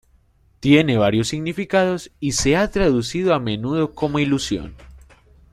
Tiene varios significados y se ha traducido a menudo como "ilusión".